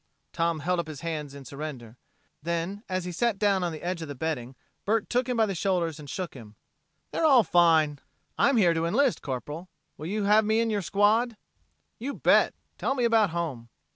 Tom held up his hands in surrender; then, as he sat down on the edge of the bedding, Bert took him by the shoulders and shook him. "They're all fine. I'm here to enlist, Corporal. Will you have me in your squad?" "You bet! Tell me about home."